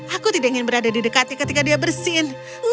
aku tidak ingin berada di dekatnya ketika dia bersin